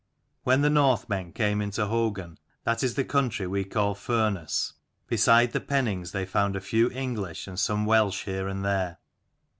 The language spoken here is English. When the Northmen came into Hougun, that is the country we call Furness, beside the Pennings they found a few English and some Welsh here and there.